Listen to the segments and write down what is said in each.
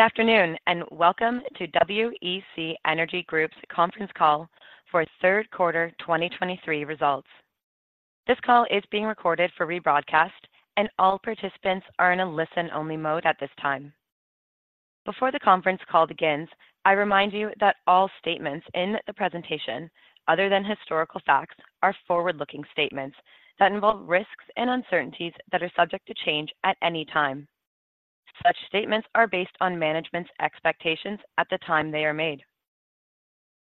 Good afternoon and welcome to WEC Energy Group's conference call for Q3 2023 Results. This call is being recorded for rebroadcast, and all participants are in a listen-only mode at this time. Before the conference call begins, I remind you that all statements in the presentation, other than historical facts, are forward-looking statements that involve risks and uncertainties that are subject to change at any time. Such statements are based on management's expectations at the time they are made.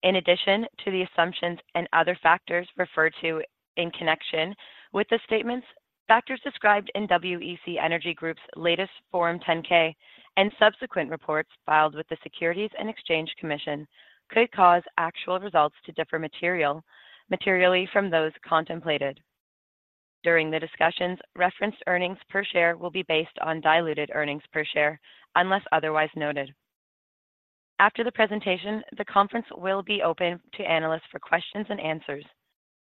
In addition to the assumptions and other factors referred to in connection with the statements, factors described in WEC Energy Group's latest Form 10-K and subsequent reports filed with the Securities and Exchange Commission could cause actual results to differ materially from those contemplated. During the discussions, referenced earnings per share will be based on diluted earnings per share, unless otherwise noted. After the presentation, the conference will be open to analysts for questions and answers.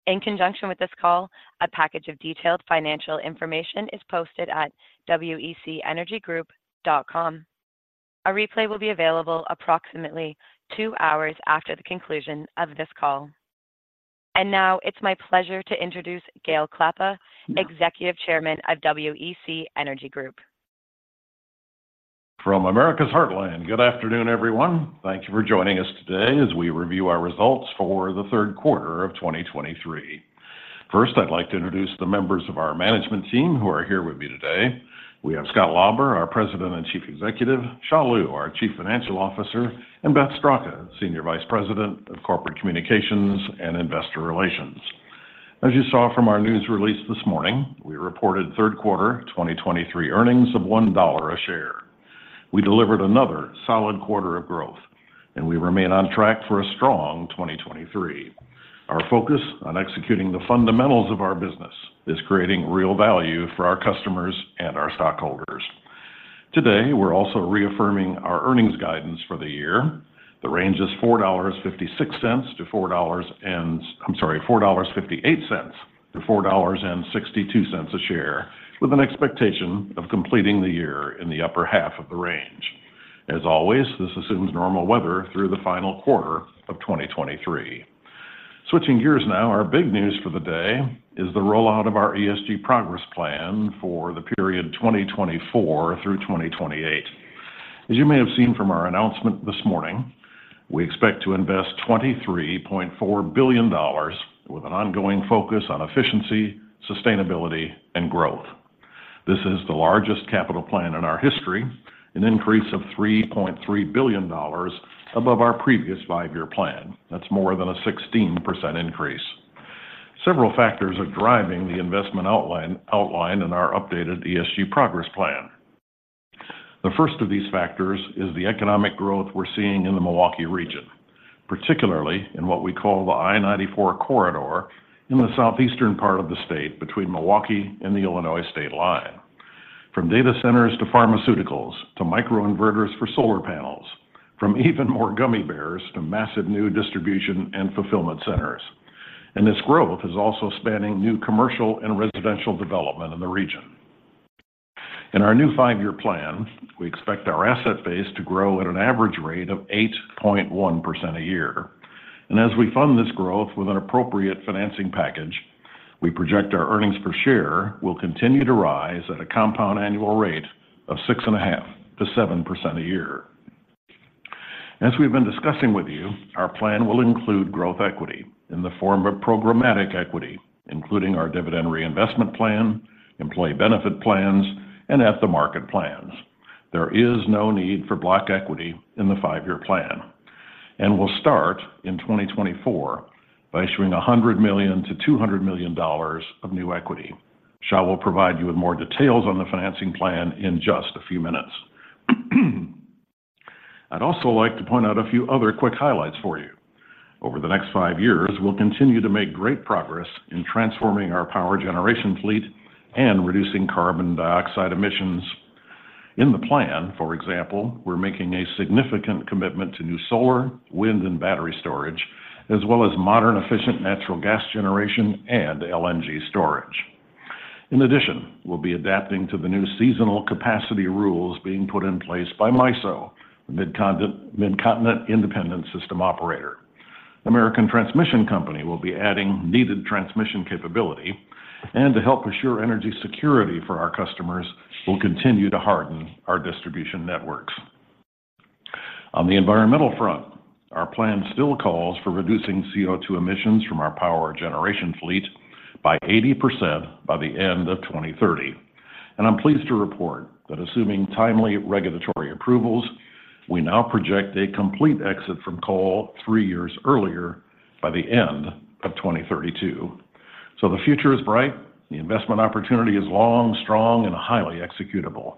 In conjunction with this call, a package of detailed financial information is posted at wecenergygroup.com. A replay will be available approximately two hours after the conclusion of this call. Now it's my pleasure to introduce Gale Klappa, Executive Chairman of WEC Energy Group. From America's Heartland, good afternoon, everyone. Thank you for joining us today as we review our results for the Q3 of 2023. First, I'd like to introduce the members of our management team who are here with me today. We have Scott Lauber, our President and Chief Executive, Xia Liu, our Chief Financial Officer, and Beth Straka, Senior Vice President of Corporate Communications and Investor Relations. As you saw from our news release this morning, we reported Q3 2023 earnings of $1 a share. We delivered another solid quarter of growth, and we remain on track for a strong 2023. Our focus on executing the fundamentals of our business is creating real value for our customers and our stockholders. Today, we're also reaffirming our earnings guidance for the year. The range is $4.56-$4.00. I'm sorry, $4.58-$4.62 a share, with an expectation of completing the year in the upper half of the range. As always, this assumes normal weather through the final quarter of 2023. Switching gears now, our big news for the day is the rollout of our ESG Progress Plan for the period 2024 through 2028. As you may have seen from our announcement this morning, we expect to invest $23.4 billion, with an ongoing focus on efficiency, sustainability, and growth. This is the largest capital plan in our history, an increase of $3.3 billion above our previous five-year plan. That's more than a 16% increase. Several factors are driving the investment outline in our updated ESG Progress Plan. The first of these factors is the economic growth we're seeing in the Milwaukee region, particularly in what we call the I-94 corridor in the southeastern part of the state between Milwaukee and the Illinois state line. From data centers to pharmaceuticals to microinverters for solar panels, from even more gummy bears to massive new distribution and fulfillment centers. And this growth is also spanning new commercial and residential development in the region. In our new five-year plan, we expect our asset base to grow at an average rate of 8.1% a year. And as we fund this growth with an appropriate financing package, we project our earnings per share will continue to rise at a compound annual rate of 6.5%-7% a year. As we've been discussing with you, our plan will include growth equity in the form of programmatic equity, including our dividend reinvestment plan, employee benefit plans, and at-the-market plans. There is no need for block equity in the five-year plan, and we'll start in 2024 by issuing $100 million-$200 million of new equity. Xia will provide you with more details on the financing plan in just a few minutes. I'd also like to point out a few other quick highlights for you. Over the next five years, we'll continue to make great progress in transforming our power generation fleet and reducing carbon dioxide emissions. In the plan, for example, we're making a significant commitment to new solar, wind, and battery storage, as well as modern, efficient natural gas generation and LNG storage. In addition, we'll be adapting to the new seasonal capacity rules being put in place by MISO, the Midcontinent Independent System Operator. American Transmission Company will be adding needed transmission capability, and to help assure energy security for our customers, we'll continue to harden our distribution networks. On the environmental front, our plan still calls for reducing CO2 emissions from our power generation fleet by 80% by the end of 2030. I'm pleased to report that, assuming timely regulatory approvals, we now project a complete exit from coal 3 years earlier by the end of 2032. The future is bright. The investment opportunity is long, strong, and highly executable.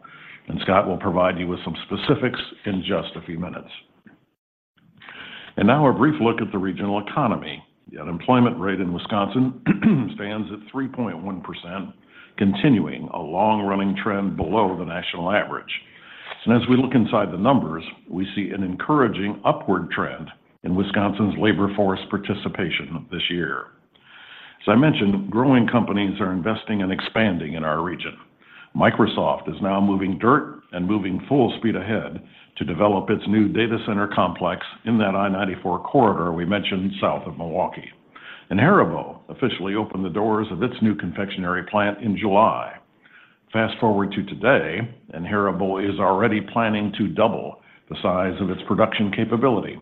Scott will provide you with some specifics in just a few minutes. Now a brief look at the regional economy. The unemployment rate in Wisconsin stands at 3.1%, continuing a long-running trend below the national average. As we look inside the numbers, we see an encouraging upward trend in Wisconsin's labor force participation this year. As I mentioned, growing companies are investing and expanding in our region. Microsoft is now moving dirt and moving full speed ahead to develop its new data center complex in that I-94 corridor we mentioned south of Milwaukee. Haribo officially opened the doors of its new confectionery plant in July. Fast forward to today, and Haribo is already planning to double the size of its production capability,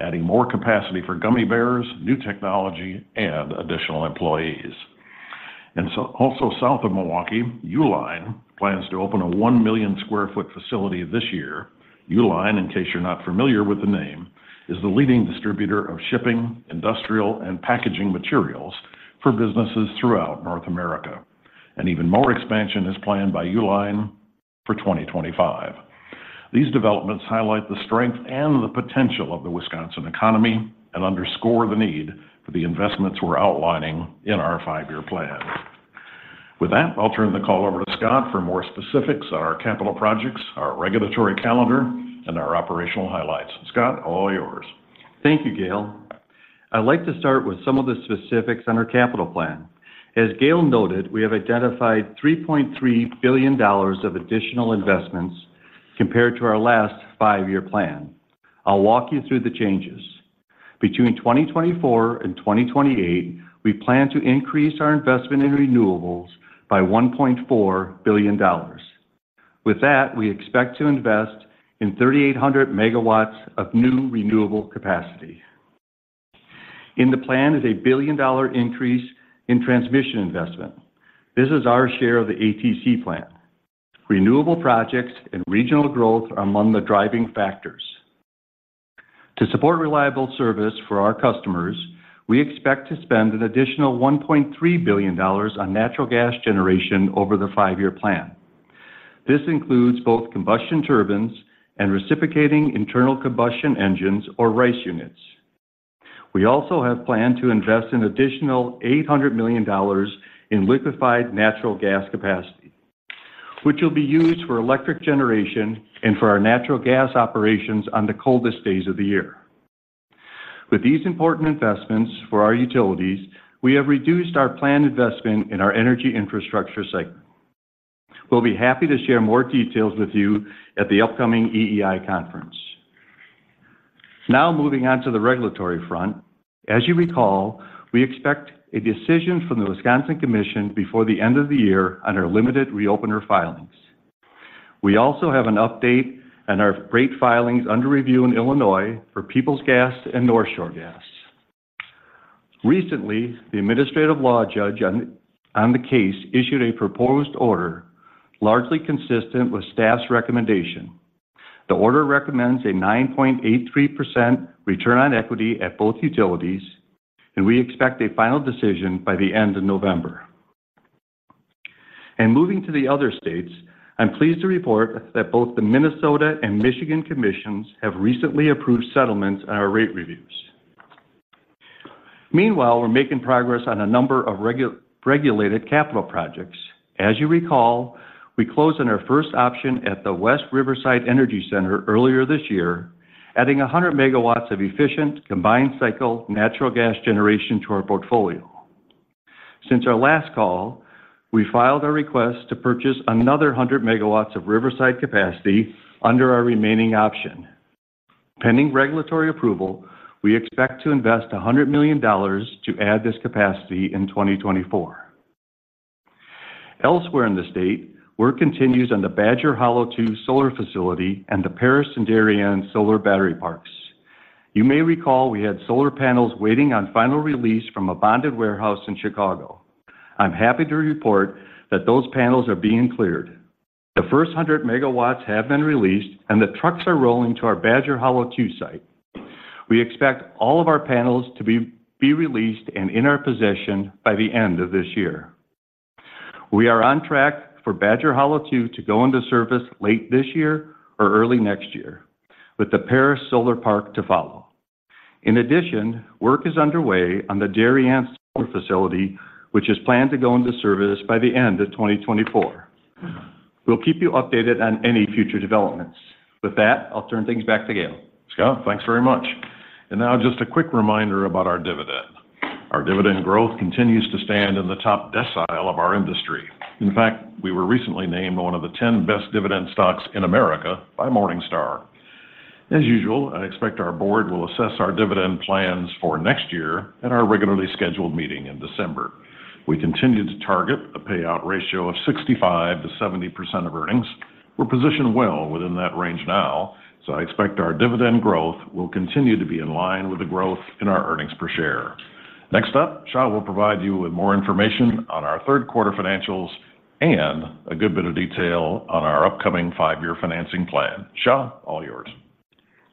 adding more capacity for gummy bears, new technology, and additional employees. Also, south of Milwaukee, Uline plans to open a 1 million sq ft facility this year. Uline, in case you're not familiar with the name, is the leading distributor of shipping, industrial, and packaging materials for businesses throughout North America. Even more expansion is planned by Uline for 2025. These developments highlight the strength and the potential of the Wisconsin economy and underscore the need for the investments we're outlining in our five-year plan. With that, I'll turn the call over to Scott for more specifics on our capital projects, our regulatory calendar, and our operational highlights. Scott, all yours. Thank you, Gale. I'd like to start with some of the specifics on our capital plan. As Gale noted, we have identified $3.3 billion of additional investments compared to our last five-year plan. I'll walk you through the changes. Between 2024 and 2028, we plan to increase our investment in renewables by $1.4 billion. With that, we expect to invest in 3,800 megawatts of new renewable capacity. In the plan is a billion-dollar increase in transmission investment. This is our share of the ATC plan. Renewable projects and regional growth are among the driving factors. To support reliable service for our customers, we expect to spend an additional $1.3 billion on natural gas generation over the five-year plan. This includes both combustion turbines and reciprocating internal combustion engines, or RICE units. We also have planned to invest an additional $800 million in liquefied natural gas capacity, which will be used for electric generation and for our natural gas operations on the coldest days of the year. With these important investments for our utilities, we have reduced our planned investment in our energy infrastructure segment. We'll be happy to share more details with you at the upcoming EEI conference. Now moving on to the regulatory front. As you recall, we expect a decision from the Wisconsin Commission before the end of the year on our limited reopener filings. We also have an update on our rate filings under review in Illinois for Peoples Gas and North Shore Gas. Recently, the administrative law judge on the case issued a proposed order largely consistent with staff's recommendation. The order recommends a 9.83% return on equity at both utilities, and we expect a final decision by the end of November. Moving to the other states, I'm pleased to report that both the Minnesota and Michigan commissions have recently approved settlements on our rate reviews. Meanwhile, we're making progress on a number of regulated capital projects. As you recall, we closed on our first option at the West Riverside Energy Center earlier this year, adding 100 megawatts of efficient combined cycle natural gas generation to our portfolio. Since our last call, we filed our request to purchase another 100 megawatts of Riverside capacity under our remaining option. Pending regulatory approval, we expect to invest $100 million to add this capacity in 2024. Elsewhere in the state, work continues on the Badger Hollow II solar facility and the Paris and Darien solar battery parks. You may recall we had solar panels waiting on final release from a bonded warehouse in Chicago. I'm happy to report that those panels are being cleared. The first 100 megawatts have been released, and the trucks are rolling to our Badger Hollow II site. We expect all of our panels to be released and in our possession by the end of this year. We are on track for Badger Hollow II to go into service late this year or early next year, with the Paris solar park to follow. In addition, work is underway on the Darien solar facility, which is planned to go into service by the end of 2024. We'll keep you updated on any future developments. With that, I'll turn things back to Gale. Scott, thanks very much. Now just a quick reminder about our dividend. Our dividend growth continues to stand in the top decile of our industry. In fact, we were recently named one of the 10 best dividend stocks in America by Morningstar. As usual, I expect our board will assess our dividend plans for next year at our regularly scheduled meeting in December. We continue to target a payout ratio of 65%-70% of earnings. We're positioned well within that range now, so I expect our dividend growth will continue to be in line with the growth in our earnings per share. Next up, Xia will provide you with more information on our Q3 financials and a good bit of detail on our upcoming five-year financing plan. Xia, all yours.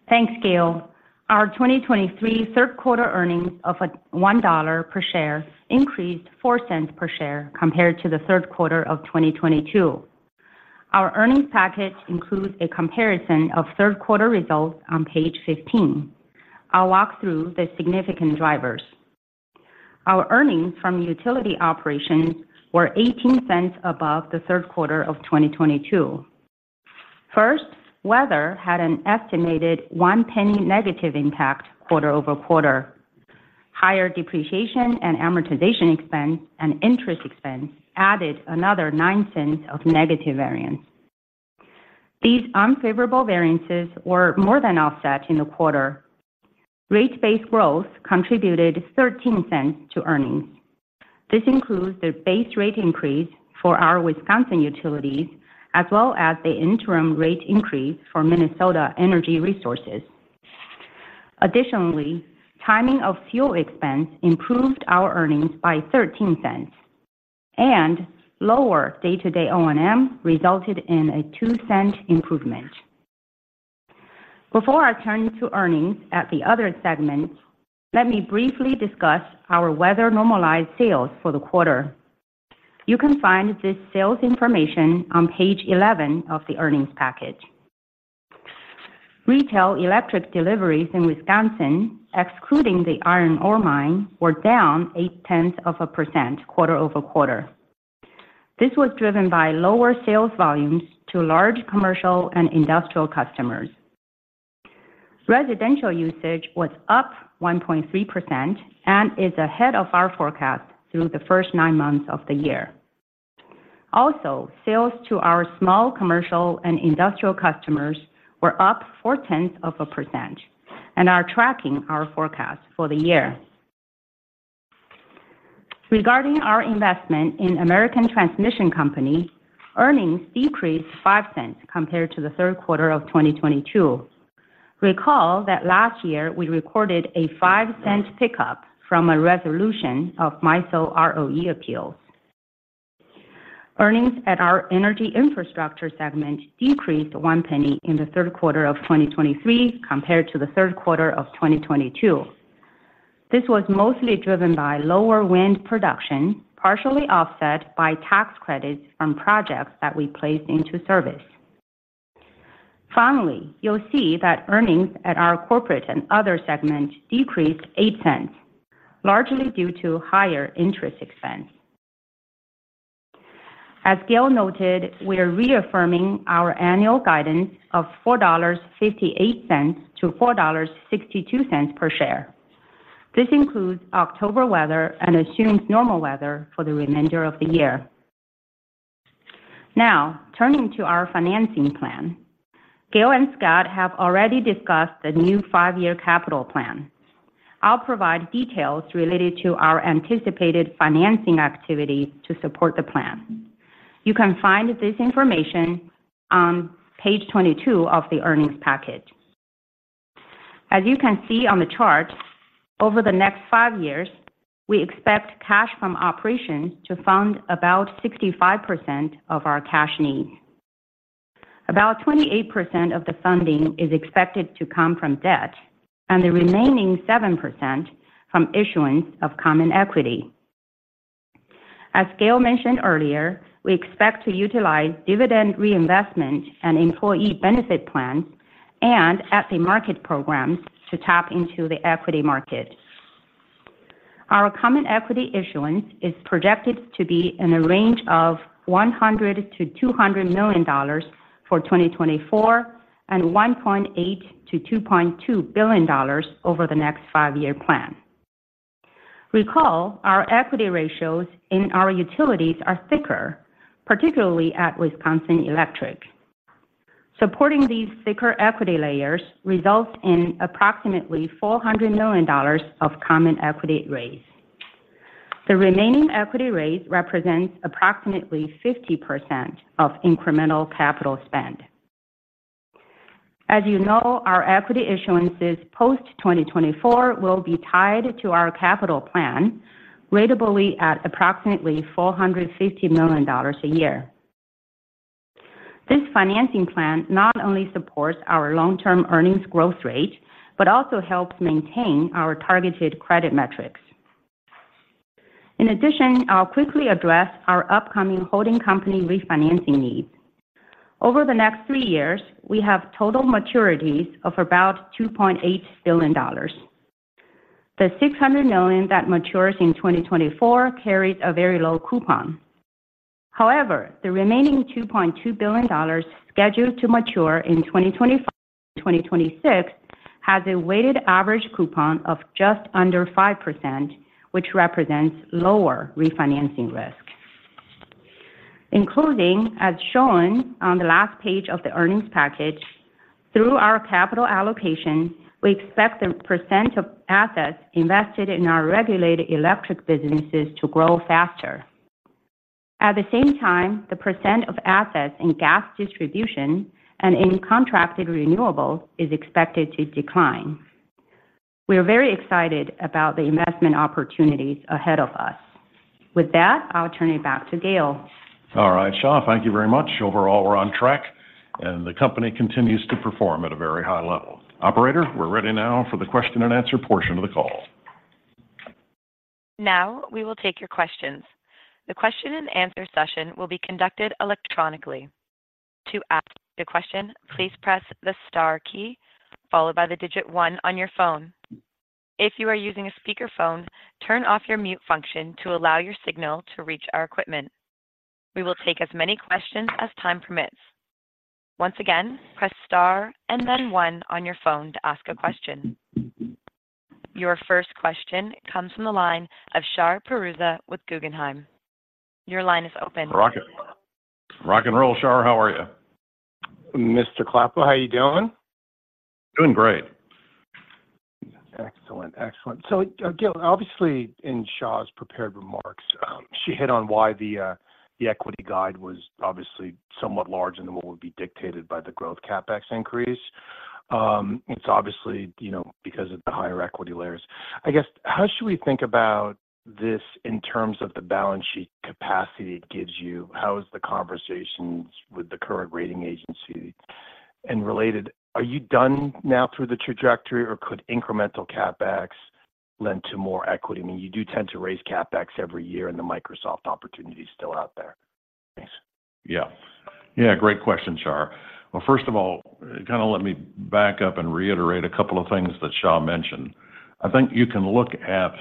Thanks, Gale. Our 2023 Q3 earnings of $1 per share increased $0.04 per share compared to the Q3 of 2022. Our earnings package includes a comparison of Q3 results on page 15. I'll walk through the significant drivers. Our earnings from utility operations were $0.18 above the Q3 of 2022. First, weather had an estimated $0.01 negative impact quarter-over-quarter. Higher depreciation and amortization expense and interest expense added another $0.09 of negative variance. These unfavorable variances were more than offset in the quarter. Rate based growth contributed $0.13 to earnings. This includes the base rate increase for our Wisconsin utilities as well as the interim rate increase for Minnesota Energy Resources. Additionally, timing of fuel expense improved our earnings by $0.13, and lower day-to-day O&M resulted in a $0.02 improvement. Before I turn to earnings at the other segments, let me briefly discuss our weather-normalized sales for the quarter. You can find this sales information on page 11 of the earnings package. Retail electric deliveries in Wisconsin, excluding the iron ore mine, were down 0.8% quarter-over-quarter. This was driven by lower sales volumes to large commercial and industrial customers. Residential usage was up 1.3% and is ahead of our forecast through the first nine months of the year. Also, sales to our small commercial and industrial customers were up 0.4% and are tracking our forecast for the year. Regarding our investment in American Transmission Company, earnings decreased $0.05 compared to the Q3 of 2022. Recall that last year we recorded a $0.05 pickup from a resolution of MISO ROE appeals. Earnings at our energy infrastructure segment decreased $0.01 in the Q3 of 2023 compared to the Q3 of 2022. This was mostly driven by lower wind production, partially offset by tax credits from projects that we placed into service. Finally, you'll see that earnings at our corporate and other segment decreased $0.08, largely due to higher interest expense. As Gale noted, we are reaffirming our annual guidance of $4.58-$4.62 per share. This includes October weather and assumes normal weather for the remainder of the year. Now, turning to our financing plan. Gale and Scott have already discussed the new five-year capital plan. I'll provide details related to our anticipated financing activities to support the plan. You can find this information on page 22 of the earnings package. As you can see on the chart, over the next five years, we expect cash from operations to fund about 65% of our cash needs. About 28% of the funding is expected to come from debt, and the remaining 7% from issuance of common equity. As Gale mentioned earlier, we expect to utilize dividend reinvestment and employee benefit plans and equity market programs to tap into the equity market. Our common equity issuance is projected to be in the range of $100-$200 million for 2024 and $1.8-$2.2 billion over the next five-year plan. Recall, our equity ratios in our utilities are thicker, particularly at Wisconsin Electric. Supporting these thicker equity layers results in approximately $400 million of common equity raise. The remaining equity raise represents approximately 50% of incremental capital spend. As you know, our equity issuances post-2024 will be tied to our capital plan, ratably at approximately $450 million a year. This financing plan not only supports our long-term earnings growth rate but also helps maintain our targeted credit metrics. In addition, I'll quickly address our upcoming holding company refinancing needs. Over the next 3 years, we have total maturities of about $2.8 billion. The $600 million that matures in 2024 carries a very low coupon. However, the remaining $2.2 billion scheduled to mature in 2025 and 2026 has a weighted average coupon of just under 5%, which represents lower refinancing risk. In closing, as shown on the last page of the earnings package, through our capital allocation, we expect the percent of assets invested in our regulated electric businesses to grow faster. At the same time, the percent of assets in gas distribution and in contracted renewables is expected to decline. We are very excited about the investment opportunities ahead of us. With that, I'll turn it back to Gale. All right. Xia, thank you very much. Overall, we're on track, and the company continues to perform at a very high level. Operator, we're ready now for the question-and-answer portion of the call. Now we will take your questions. The question-and-answer session will be conducted electronically. To ask a question, please press the star key followed by the digit 1 on your phone. If you are using a speakerphone, turn off your mute function to allow your signal to reach our equipment. We will take as many questions as time permits. Once again, press star and then 1 on your phone to ask a question. Your first question comes from the line of Shar Pourreza with Guggenheim. Your line is open. Rock and roll, Shar. How are you? Mr. Klappa, how are you doing? Doing great. Excellent. Excellent. So Gale, obviously, in Xia's prepared remarks, she hit on why the equity guide was obviously somewhat large and what would be dictated by the growth CapEx increase. It's obviously because of the higher equity layers. I guess, how should we think about this in terms of the balance sheet capacity it gives you? How are the conversations with the current rating agencies? And related, are you done now through the trajectory, or could incremental CapEx lead to more equity? I mean, you do tend to raise CapEx every year, and the Microsoft opportunity is still out there. Thanks. Yeah. Yeah, great question, Shar. Well, first of all, kind of let me back up and reiterate a couple of things that Shar mentioned. I think you can look at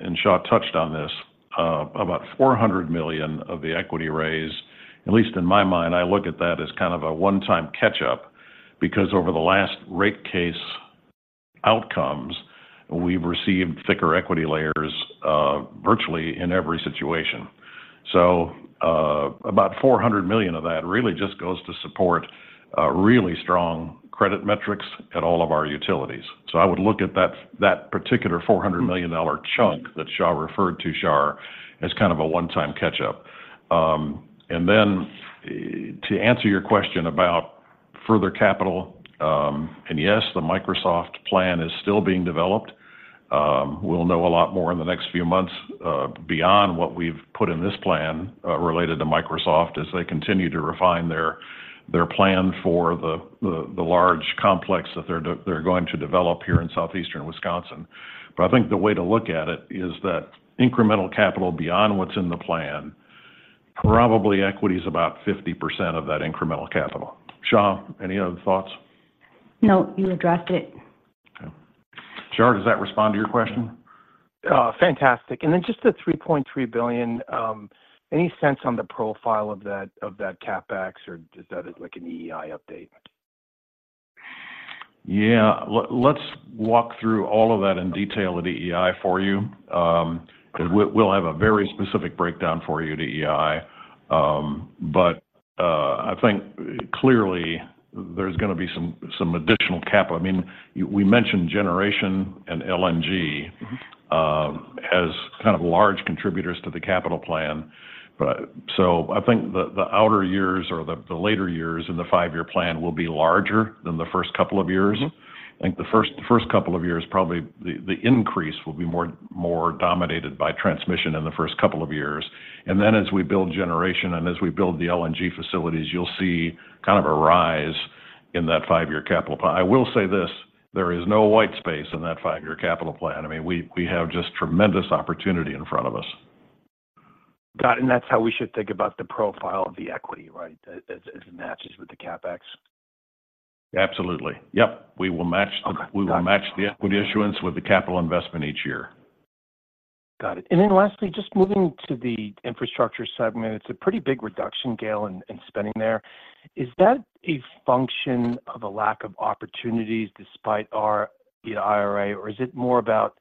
and Shar touched on this, about $400 million of the equity raise, at least in my mind, I look at that as kind of a one-time catch-up because over the last rate case outcomes, we've received thicker equity layers virtually in every situation. So about $400 million of that really just goes to support really strong credit metrics at all of our utilities. So I would look at that particular $400 million chunk that Shar referred to, Shar, as kind of a one-time catch-up. And then to answer your question about further capital, and yes, the Microsoft plan is still being developed. We'll know a lot more in the next few months beyond what we've put in this plan related to Microsoft as they continue to refine their plan for the large complex that they're going to develop here in southeastern Wisconsin. But I think the way to look at it is that incremental capital beyond what's in the plan, probably equity is about 50% of that incremental capital. Xia, any other thoughts? No, you addressed it. Okay. Shar, does that respond to your question? Fantastic. And then just the $3.3 billion, any sense on the profile of that CapEx, or is that an EEI update? Yeah. Let's walk through all of that in detail at EEI for you. We'll have a very specific breakdown for you at EEI. But I think clearly there's going to be some additional capital. I mean, we mentioned generation and LNG as kind of large contributors to the capital plan. So I think the outer years or the later years in the five-year plan will be larger than the first couple of years. I think the first couple of years, probably the increase will be more dominated by transmission in the first couple of years. And then as we build generation and as we build the LNG facilities, you'll see kind of a rise in that five-year capital plan. I will say this, there is no white space in that five-year capital plan. I mean, we have just tremendous opportunity in front of us. Got it. And that's how we should think about the profile of the equity, right, as it matches with the CapEx? Absolutely. Yep. We will match the equity issuance with the capital investment each year. Got it. And then lastly, just moving to the infrastructure segment, it's a pretty big reduction, Gale, in spending there. Is that a function of a lack of opportunities despite our IRA, or is it more about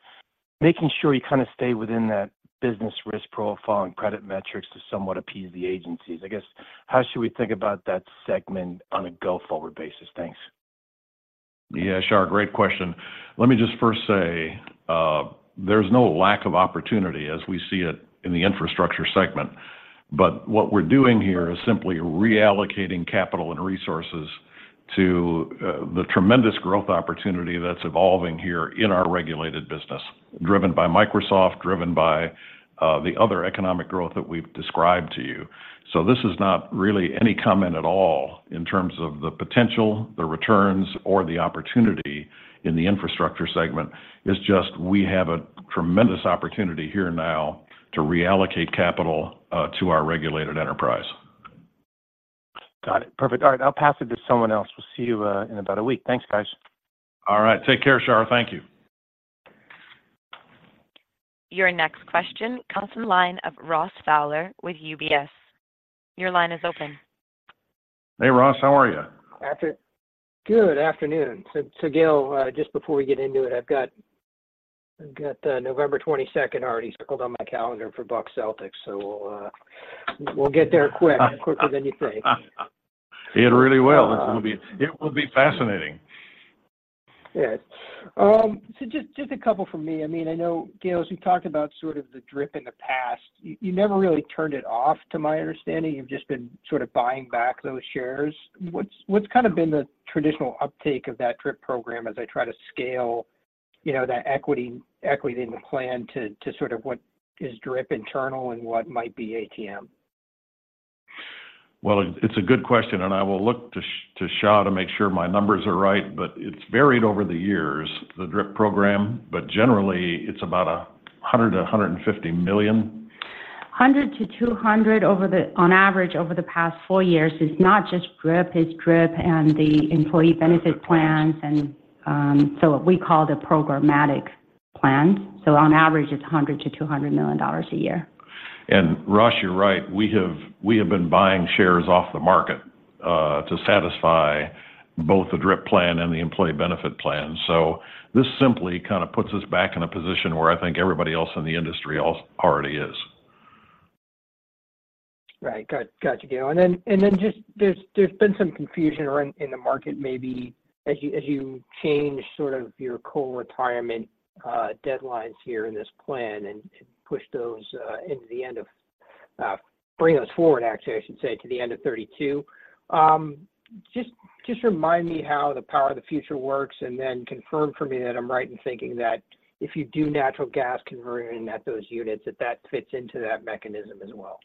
making sure you kind of stay within that business risk profile and credit metrics to somewhat appease the agencies? I guess, how should we think about that segment on a go-forward basis? Thanks. Yeah, Shar, great question. Let me just first say, there's no lack of opportunity as we see it in the infrastructure segment. But what we're doing here is simply reallocating capital and resources to the tremendous growth opportunity that's evolving here in our regulated business, driven by Microsoft, driven by the other economic growth that we've described to you. So this is not really any comment at all in terms of the potential, the returns, or the opportunity in the infrastructure segment. It's just we have a tremendous opportunity here now to reallocate capital to our regulated enterprise. Got it. Perfect. All right. I'll pass it to someone else. We'll see you in about a week. Thanks, guys. All right. Take care, Shar. Thank you. Your next question comes from the line of Ross Fowler with UBS. Your line is open. Hey, Ross. How are you? Good afternoon. So Gale, just before we get into it, I've got November 22nd already circled on my calendar for Bucks-Celtics, so we'll get there quick, quicker than you think. Hit really well. It will be fascinating. Yeah. So just a couple from me. I mean, I know, Gale, as we've talked about sort of the DRIP in the past, you never really turned it off, to my understanding. You've just been sort of buying back those shares. What's kind of been the traditional uptake of that DRIP program as I try to scale that equity in the plan to sort of what is DRIP internal and what might be ATM? Well, it's a good question, and I will look to Shar to make sure my numbers are right. But it's varied over the years, the DRIP program. But generally, it's about $100 million-$150 million. $100 million-$200 million on average over the past 4 years. It's not just DRIP, it's DRIP and the employee benefit plans. And so we call the programmatic plans. So on average, it's $100 million-$200 million a year. Ross, you're right. We have been buying shares off the market to satisfy both the DRIP plan and the employee benefit plan. So this simply kind of puts us back in a position where I think everybody else in the industry already is. Right. Got you, Gale. And then just there's been some confusion in the market maybe as you change sort of your coal retirement deadlines here in this plan and push those into the end of bring those forward, actually, I should say, to the end of 2032. Just remind me how the Power the Future works and then confirm for me that I'm right in thinking that if you do natural gas conversion at those units, that that fits into that mechanism as well.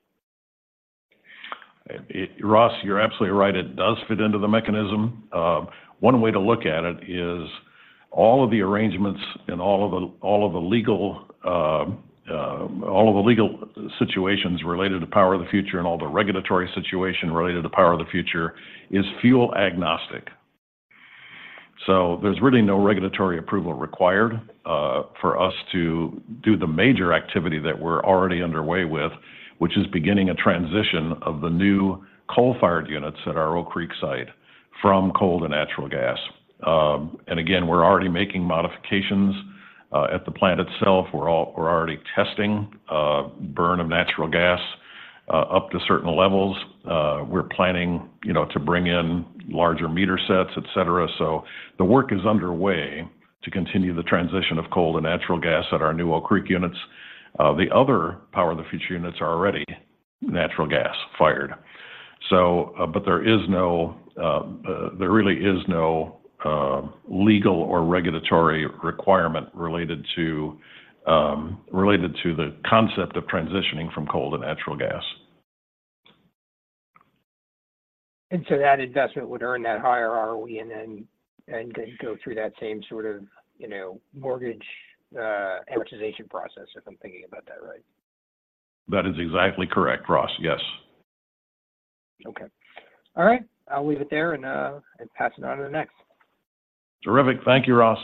Ross, you're absolutely right. It does fit into the mechanism. One way to look at it is all of the arrangements and all of the legal situations related to Power the Future and all the regulatory situation related to Power the Future is fuel agnostic. So there's really no regulatory approval required for us to do the major activity that we're already underway with, which is beginning a transition of the new coal-fired units at our Oak Creek site from coal to natural gas. And again, we're already making modifications at the plant itself. We're already testing burn of natural gas up to certain levels. We're planning to bring in larger meter sets, etc. So the work is underway to continue the transition of coal to natural gas at our new Oak Creek units. The other Power the Future units are already natural gas fired. But there really is no legal or regulatory requirement related to the concept of transitioning from coal to natural gas. That investment would earn that higher ROE and then go through that same sort of mortgage amortization process, if I'm thinking about that right? That is exactly correct, Ross. Yes. Okay. All right. I'll leave it there and pass it on to the next. Terrific. Thank you, Ross.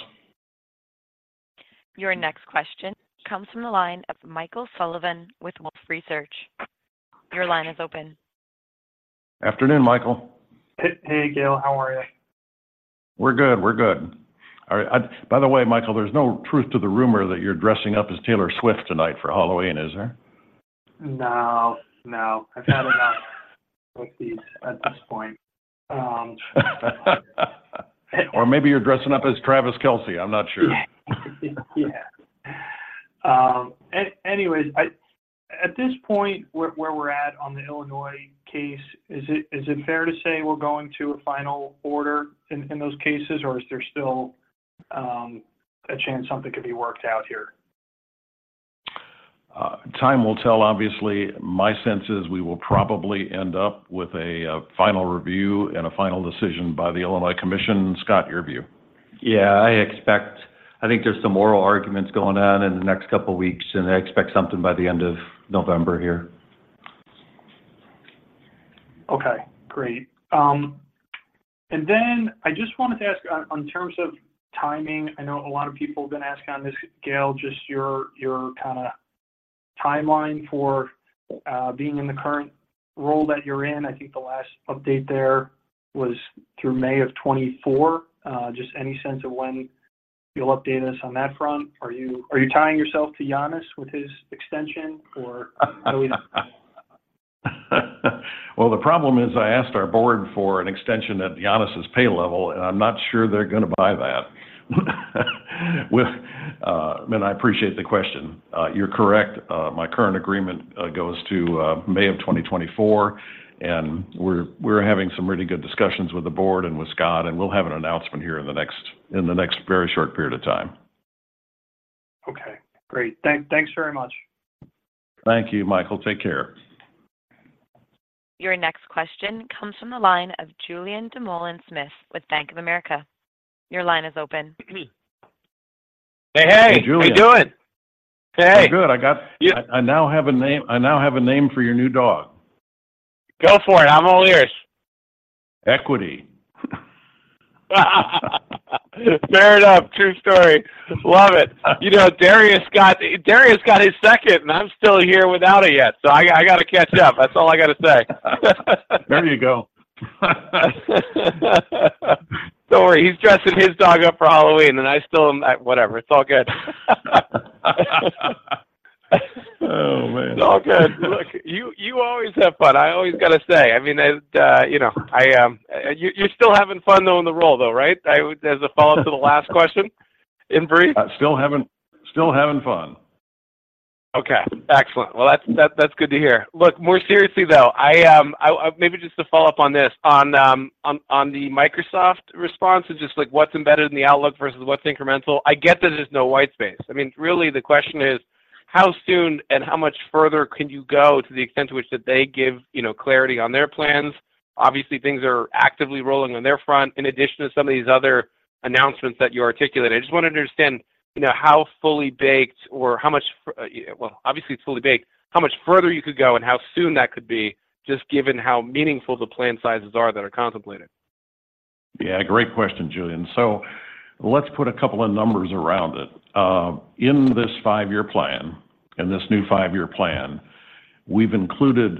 Your next question comes from the line of Michael Sullivan with Wolfe Research. Your line is open. Afternoon, Michael. Hey, Gale. How are you? We're good. We're good. By the way, Michael, there's no truth to the rumor that you're dressing up as Taylor Swift tonight for Halloween, is there? No. No. I've had enough with these at this point. Or maybe you're dressing up as Travis Kelce. I'm not sure. Yeah. Anyways, at this point where we're at on the Illinois case, is it fair to say we're going to a final order in those cases, or is there still a chance something could be worked out here? Time will tell, obviously. My sense is we will probably end up with a final review and a final decision by the Illinois Commission. Scott, your view? Yeah. I think there's some oral arguments going on in the next couple of weeks, and I expect something by the end of November here. Okay. Great. And then I just wanted to ask, in terms of timing, I know a lot of people have been asking on this, Gale, just your kind of timeline for being in the current role that you're in. I think the last update there was through May of 2024. Just any sense of when you'll update us on that front? Are you tying yourself to Giannis with his extension, or? Well, the problem is I asked our board for an extension at Giannis' pay level, and I'm not sure they're going to buy that. I mean, I appreciate the question. You're correct. My current agreement goes to May of 2024, and we're having some really good discussions with the board and with Scott, and we'll have an announcement here in the next very short period of time. Okay. Great. Thanks very much. Thank you, Michael. Take care. Your next question comes from the line of Julien Dumoulin-Smith with Bank of America. Your line is open. Hey, hey. Hey, Julian. How you doing? Hey, hey. We're good. I now have a name for your new dog. Go for it. I'm all ears. Equity. Fair enough. True story. Love it. Darius got his second, and I'm still here without it yet, so I got to catch up. That's all I got to say. There you go. Don't worry. He's dressing his dog up for Halloween, and I still am at whatever. It's all good. Oh, man. It's all good. Look, you always have fun. I always got to say. I mean, you're still having fun though in the role, though, right, as a follow-up to the last question in brief? Still having fun. Okay. Excellent. Well, that's good to hear. Look, more seriously, though, maybe just to follow up on this, on the Microsoft response and just what's embedded in the Outlook versus what's incremental, I get that there's no white space. I mean, really, the question is, how soon and how much further can you go to the extent to which that they give clarity on their plans? Obviously, things are actively rolling on their front in addition to some of these other announcements that you articulated. I just want to understand how fully baked or how much, well, obviously, it's fully baked. How much further you could go and how soon that could be just given how meaningful the plant sizes are that are contemplated? Yeah. Great question, Julian. So let's put a couple of numbers around it. In this five-year plan, in this new five-year plan, we've included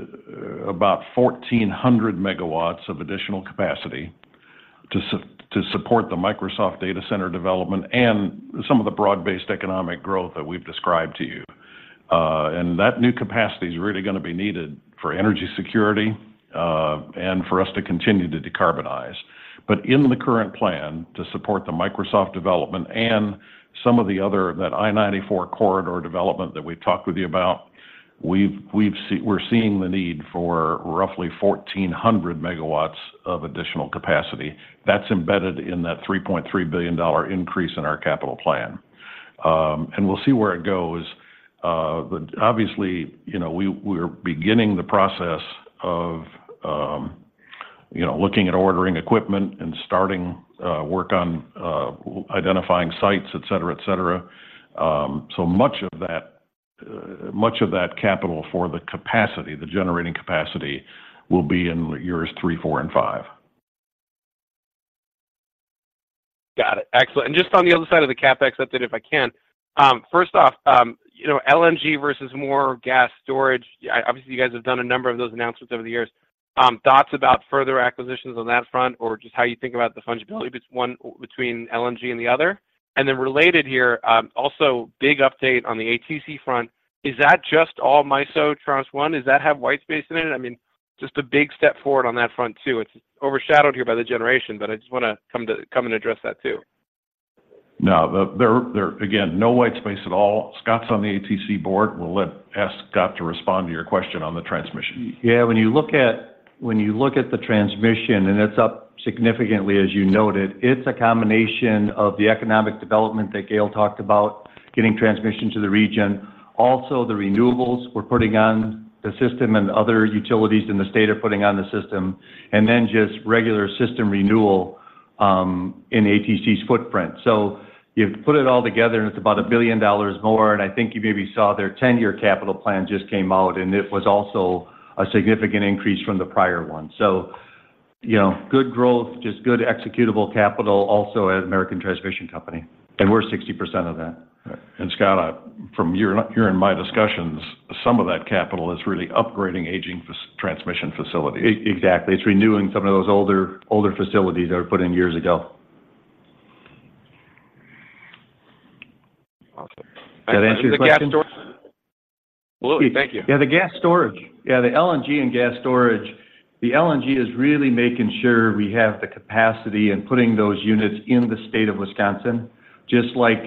about 1,400 megawatts of additional capacity to support the Microsoft data center development and some of the broad-based economic growth that we've described to you. And that new capacity is really going to be needed for energy security and for us to continue to decarbonize. But in the current plan to support the Microsoft development and some of the other that I-94 corridor development that we've talked with you about, we're seeing the need for roughly 1,400 megawatts of additional capacity. That's embedded in that $3.3 billion increase in our capital plan. And we'll see where it goes. Obviously, we're beginning the process of looking at ordering equipment and starting work on identifying sites, etc., etc. So much of that capital for the capacity, the generating capacity, will be in years 3, 4, and 5. Got it. Excellent. And just on the other side of the CapEx update, if I can, first off, LNG versus more gas storage, obviously, you guys have done a number of those announcements over the years. Thoughts about further acquisitions on that front or just how you think about the fungibility between LNG and the other? And then related here, also big update on the ATC front, is that just all MISO, Tranche 1? Does that have white space in it? I mean, just a big step forward on that front too. It's overshadowed here by the generation, but I just want to come and address that too. No. Again, no white space at all. Scott's on the ATC board. We'll ask Scott to respond to your question on the transmission. Yeah. When you look at the transmission, and it's up significantly, as you noted, it's a combination of the economic development that Gale talked about, getting transmission to the region, also the renewables we're putting on the system and other utilities in the state are putting on the system, and then just regular system renewal in ATC's footprint. So you put it all together, and it's about $1 billion more. And I think you maybe saw their 10-year capital plan just came out, and it was also a significant increase from the prior one. So good growth, just good executable capital also at American Transmission Company. And we're 60% of that. Scott, you're in my discussions. Some of that capital is really upgrading aging transmission facilities. Exactly. It's renewing some of those older facilities that were put in years ago. Awesome. Does that answer your question? Absolutely. Thank you. Yeah. The gas storage. Yeah. The LNG and gas storage, the LNG is really making sure we have the capacity and putting those units in the state of Wisconsin. Just like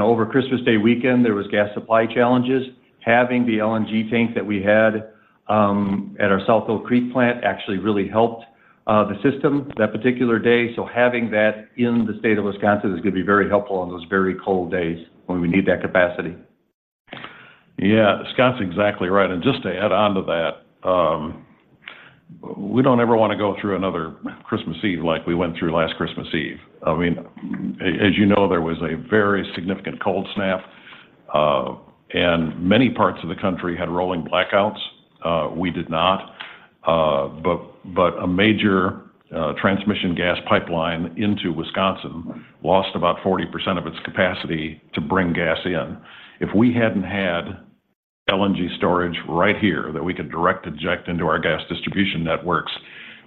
over Christmas Day weekend, there was gas supply challenges. Having the LNG tank that we had at our South Oak Creek plant actually really helped the system that particular day. So having that in the state of Wisconsin is going to be very helpful on those very cold days when we need that capacity. Yeah. Scott's exactly right. And just to add on to that, we don't ever want to go through another Christmas Eve like we went through last Christmas Eve. I mean, as you know, there was a very significant cold snap, and many parts of the country had rolling blackouts. We did not. But a major transmission gas pipeline into Wisconsin lost about 40% of its capacity to bring gas in. If we hadn't had LNG storage right here that we could direct inject into our gas distribution networks,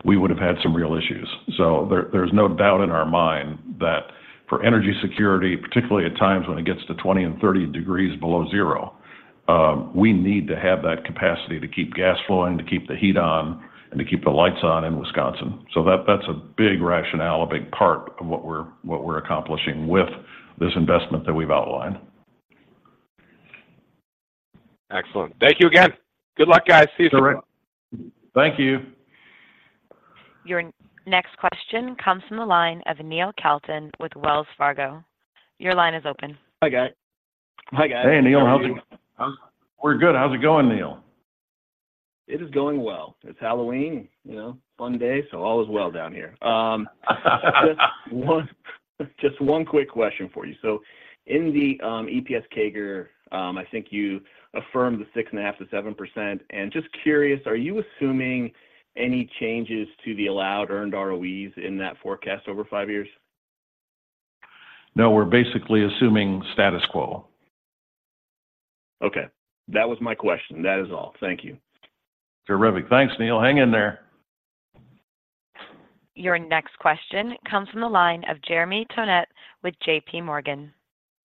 we would have had some real issues. So there's no doubt in our mind that for energy security, particularly at times when it gets to 20 and 30 degrees below zero, we need to have that capacity to keep gas flowing, to keep the heat on, and to keep the lights on in Wisconsin. That's a big rationale, a big part of what we're accomplishing with this investment that we've outlined. Excellent. Thank you again. Good luck, guys. See you soon. All right. Thank you. Your next question comes from the line of Neil Kalton with Wells Fargo. Your line is open. Hi, guys. Hi, guys. Hey, Neil. How's it going? We're good. How's it going, Neil? It is going well. It's Halloween, fun day, so all is well down here. Just one quick question for you. In the EPS guidance, I think you affirmed the 6.5%-7%. Just curious, are you assuming any changes to the allowed earned ROEs in that forecast over five years? No. We're basically assuming status quo. Okay. That was my question. That is all. Thank you. Terrific. Thanks, Neil. Hang in there. Your next question comes from the line of Jeremy Tonet with JPMorgan.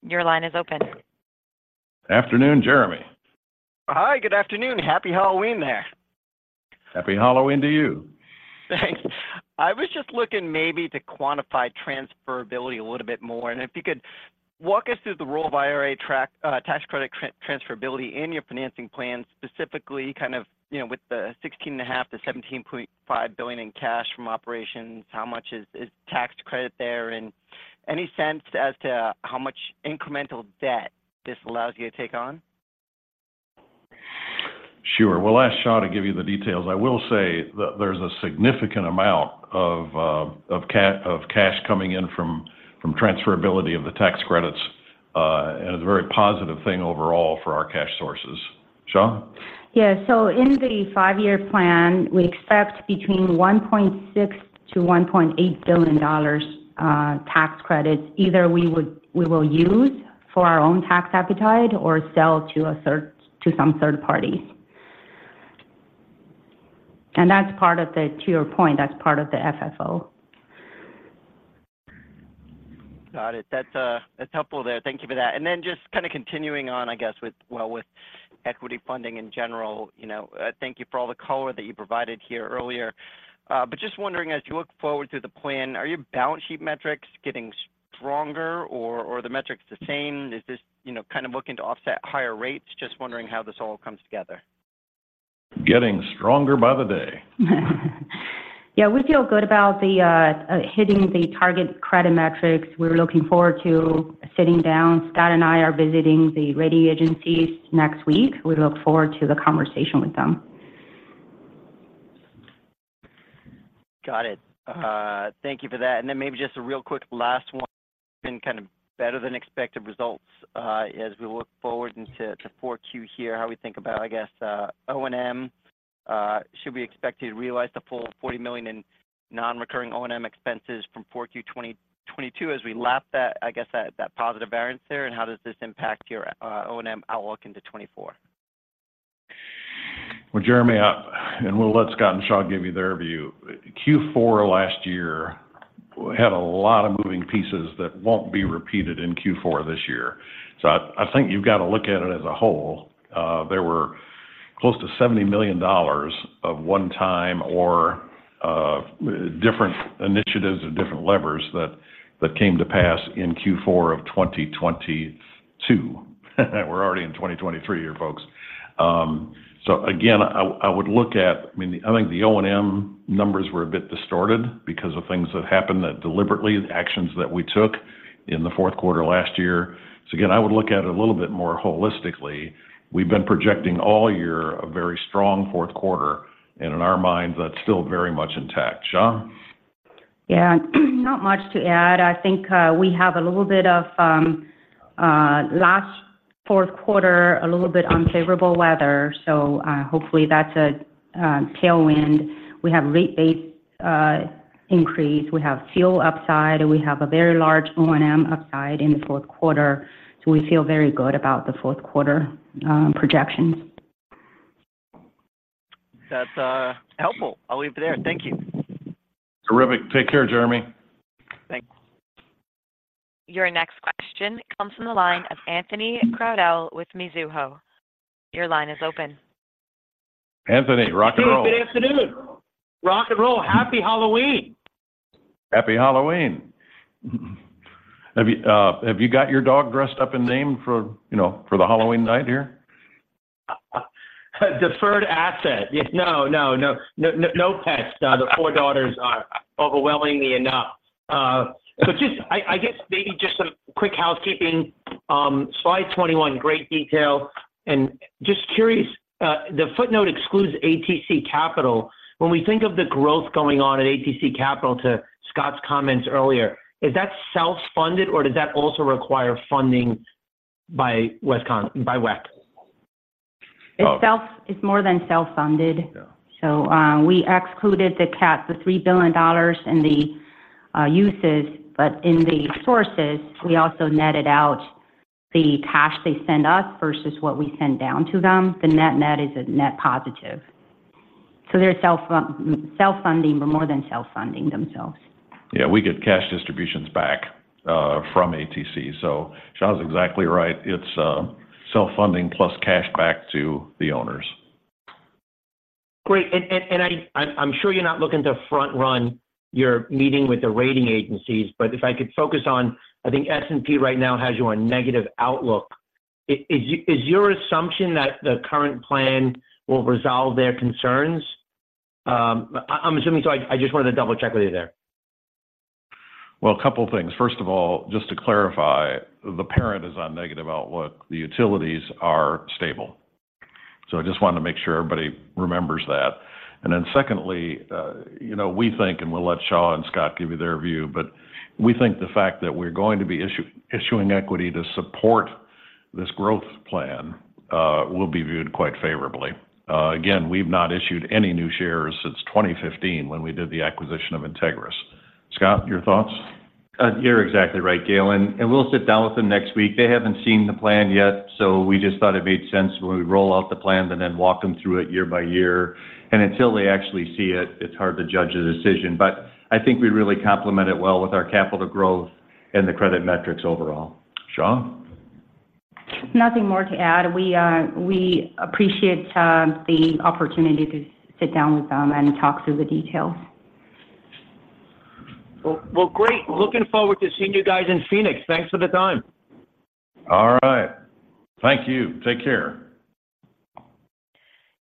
Your line is open. Afternoon, Jeremy. Hi. Good afternoon. Happy Halloween there. Happy Halloween to you. Thanks. I was just looking maybe to quantify transferability a little bit more. If you could walk us through the role of IRA tax credit transferability in your financing plan, specifically kind of with the $16.5-$17.5 billion in cash from operations, how much is tax credit there, and any sense as to how much incremental debt this allows you to take on? Sure. Well, ask Xia to give you the details. I will say there's a significant amount of cash coming in from transferability of the tax credits, and it's a very positive thing overall for our cash sources. Xia? Yeah. So in the five-year plan, we expect between $1.6 billion-$1.8 billion tax credits either we will use for our own tax appetite or sell to some third parties. And that's part of the, to your point, that's part of the FFO. Got it. That's helpful there. Thank you for that. Then just kind of continuing on, I guess, well, with equity funding in general, thank you for all the color that you provided here earlier. But just wondering, as you look forward to the plan, are your balance sheet metrics getting stronger, or are the metrics the same? Is this kind of looking to offset higher rates? Just wondering how this all comes together. Getting stronger by the day. Yeah. We feel good about hitting the target credit metrics. We're looking forward to sitting down. Scott and I are visiting the rating agencies next week. We look forward to the conversation with them. Got it. Thank you for that. And then maybe just a real quick last one. It's been kind of better than expected results. As we look forward into 4Q here, how we think about, I guess, O&M, should we expect to realize the full $40 million in non-recurring O&M expenses from 4Q 2022 as we lap, I guess, that positive variance there? And how does this impact your O&M outlook into 2024? Well, Jeremy up, and we'll let Scott and Xia give you their view. Q4 last year had a lot of moving pieces that won't be repeated in Q4 this year. So I think you've got to look at it as a whole. There were close to $70 million of one-time or different initiatives or different levers that came to pass in Q4 of 2022. We're already in 2023 here, folks. So again, I would look at—I mean, I think the O&M numbers were a bit distorted because of things that happened deliberately, actions that we took in the Q4 last year. So again, I would look at it a little bit more holistically. We've been projecting all year a very strong Q4, and in our mind, that's still very much intact. Xia? Yeah. Not much to add. I think we have a little bit of last Q4, a little bit unfavorable weather. So hopefully, that's a tailwind. We have rate-based increase. We have fuel upside, and we have a very large O&M upside in the Q4. So we feel very good about the Q4 projections. That's helpful. I'll leave it there. Thank you. Terrific. Take care, Jeremy. Thanks. Your next question comes from the line of Anthony Crowdell with Mizuho. Your line is open. Anthony, rock and roll. Hey. Good afternoon. Rock and roll. Happy Halloween. Happy Halloween. Have you got your dog dressed up and named for the Halloween night here? Deferred Asset. No, no, no. No pets. The four daughters are overwhelmingly enough. But I guess maybe just some quick housekeeping. Slide 21, great detail. And just curious, the footnote excludes ATC Capital. When we think of the growth going on at ATC Capital to Scott's comments earlier, is that self-funded, or does that also require funding by WEC? It's more than self-funded. So we excluded the ATC, the $3 billion, and the uses. But in the sources, we also netted out the cash they send us versus what we send down to them. The net net is a net positive. So they're self-funding but more than self-funding themselves. Yeah. We get cash distributions back from ATC. So Xia's exactly right. It's self-funding plus cash back to the owners. Great. And I'm sure you're not looking to front-run your meeting with the rating agencies. But if I could focus on, I think S&P right now has you on negative outlook. Is your assumption that the current plan will resolve their concerns? I'm assuming so. I just wanted to double-check with you there. Well, a couple of things. First of all, just to clarify, the parent is on negative outlook. The utilities are stable. So I just wanted to make sure everybody remembers that. And then secondly, we think and we'll let Xia and Scott give you their view, but we think the fact that we're going to be issuing equity to support this growth plan will be viewed quite favorably. Again, we've not issued any new shares since 2015 when we did the acquisition of Integrys. Scott, your thoughts? You're exactly right, Gale. We'll sit down with them next week. They haven't seen the plan yet, so we just thought it made sense when we roll out the plan to then walk them through it year by year. Until they actually see it, it's hard to judge a decision. But I think we really complement it well with our capital growth and the credit metrics overall. Xia? Nothing more to add. We appreciate the opportunity to sit down with them and talk through the details. Well, great. Looking forward to seeing you guys in Phoenix. Thanks for the time. All right. Thank you. Take care.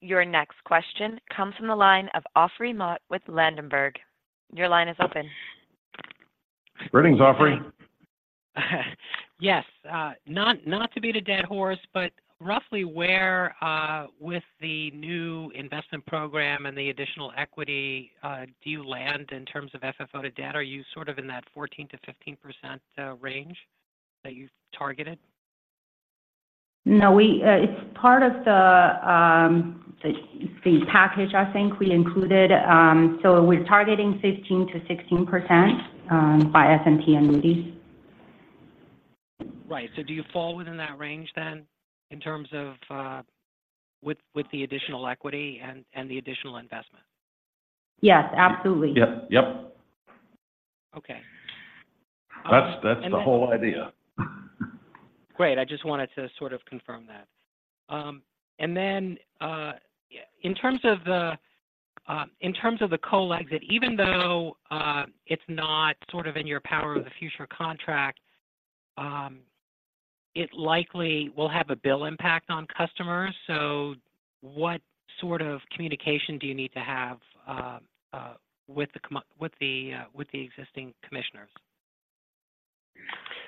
Your next question comes from the line of Paul Fremont with Ladenburg. Your line is open. Greetings, Ofri. Yes. Not to beat a dead horse, but roughly where with the new investment program and the additional equity, do you land in terms of FFO to debt? Are you sort of in that 14%-15% range that you've targeted? No. It's part of the package, I think, we included. So we're targeting 15%-16% by S&P and Moody's. Right. So do you fall within that range then in terms of with the additional equity and the additional investment? Yes. Absolutely. Yep. Yep. Okay. That's the whole idea. Great. I just wanted to sort of confirm that. And then in terms of the coal exit, even though it's not sort of in your power of the future contract, it likely will have a bill impact on customers. So what sort of communication do you need to have with the existing commissioners? Well. Go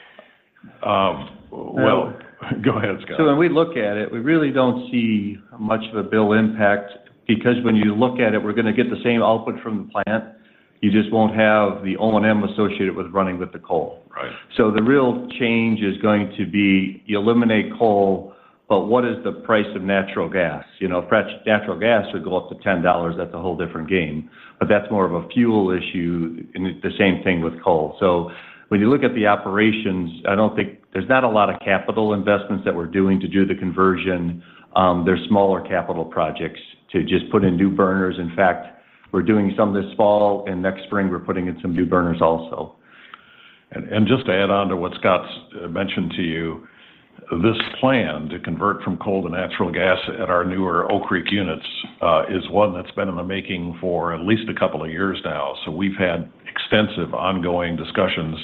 ahead, Scott. So when we look at it, we really don't see much of a bill impact because when you look at it, we're going to get the same output from the plant. You just won't have the O&M associated with running with the coal. So the real change is going to be you eliminate coal, but what is the price of natural gas? Natural gas would go up to $10. That's a whole different game. But that's more of a fuel issue, and the same thing with coal. So when you look at the operations, I don't think there's not a lot of capital investments that we're doing to do the conversion. They're smaller capital projects to just put in new burners. In fact, we're doing some this fall, and next spring, we're putting in some new burners also. Just to add on to what Scott mentioned to you, this plan to convert from coal to natural gas at our newer Oak Creek units is one that's been in the making for at least a couple of years now. We've had extensive ongoing discussions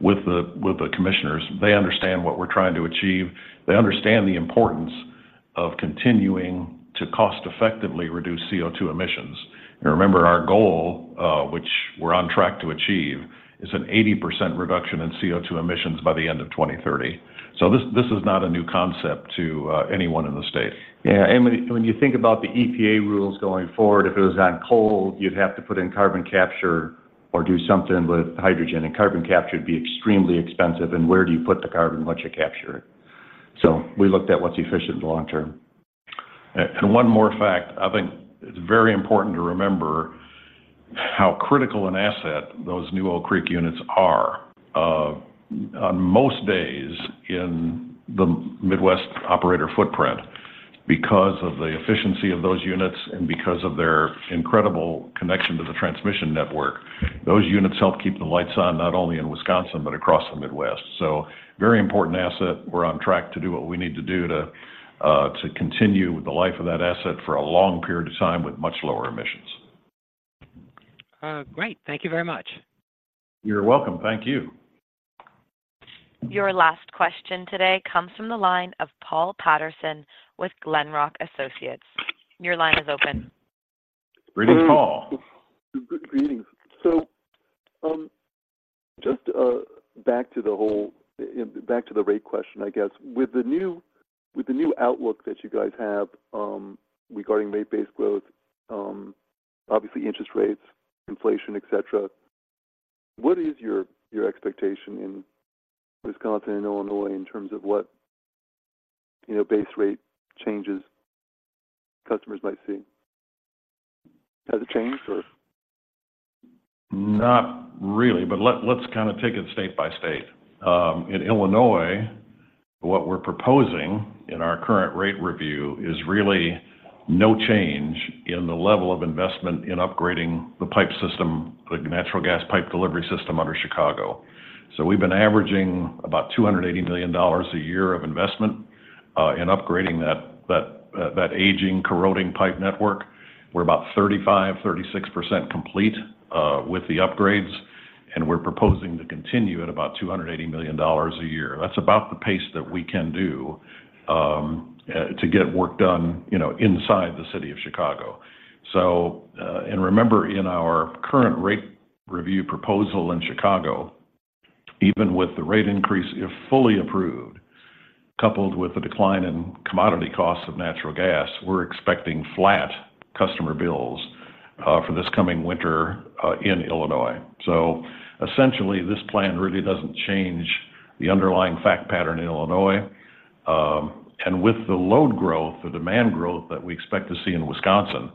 with the commissioners. They understand what we're trying to achieve. They understand the importance of continuing to cost-effectively reduce CO2 emissions. Remember, our goal, which we're on track to achieve, is an 80% reduction in CO2 emissions by the end of 2030. This is not a new concept to anyone in the state. Yeah. And when you think about the EPA rules going forward, if it was on coal, you'd have to put in carbon capture or do something with hydrogen. And carbon capture would be extremely expensive. And where do you put the carbon once you capture it? So we looked at what's efficient in the long term. One more fact. I think it's very important to remember how critical an asset those new Oak Creek units are on most days in the Midwest operator footprint because of the efficiency of those units and because of their incredible connection to the transmission network. Those units help keep the lights on not only in Wisconsin but across the Midwest. So very important asset. We're on track to do what we need to do to continue with the life of that asset for a long period of time with much lower emissions. Great. Thank you very much. You're welcome. Thank you. Your last question today comes from the line of Paul Patterson with Glenrock Associates. Your line is open. Greetings, Paul. Greetings. So just back to the whole back to the rate question, I guess. With the new outlook that you guys have regarding rate-based growth, obviously, interest rates, inflation, etc., what is your expectation in Wisconsin and Illinois in terms of what base rate changes customers might see? Has it changed, or? Not really. But let's kind of take it state by state. In Illinois, what we're proposing in our current rate review is really no change in the level of investment in upgrading the pipe system, the natural gas pipe delivery system under Chicago. So we've been averaging about $280 million a year of investment in upgrading that aging, corroding pipe network. We're about 35%-36% complete with the upgrades, and we're proposing to continue at about $280 million a year. That's about the pace that we can do to get work done inside the city of Chicago. And remember, in our current rate review proposal in Chicago, even with the rate increase, if fully approved, coupled with a decline in commodity costs of natural gas, we're expecting flat customer bills for this coming winter in Illinois. So essentially, this plan really doesn't change the underlying fact pattern in Illinois. With the load growth, the demand growth that we expect to see in Wisconsin,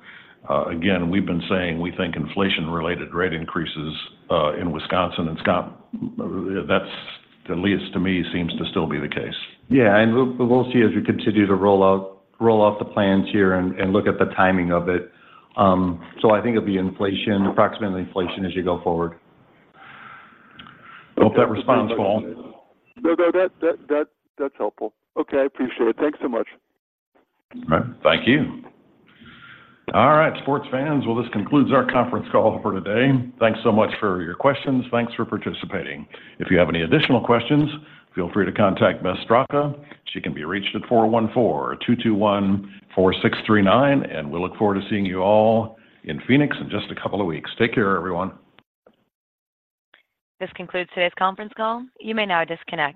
again, we've been saying we think inflation-related rate increases in Wisconsin. Scott, that at least to me seems to still be the case. Yeah. We'll see as we continue to roll out the plans here and look at the timing of it. I think it'll be approximately inflation as you go forward. Hope that responds, Paul. No, no. That's helpful. Okay. I appreciate it. Thanks so much. All right. Thank you. All right. Sports fans, well, this concludes our conference call for today. Thanks so much for your questions. Thanks for participating. If you have any additional questions, feel free to contact Ms. Straka. She can be reached at 414-221-4639. We look forward to seeing you all in Phoenix in just a couple of weeks. Take care, everyone. This concludes today's conference call. You may now disconnect.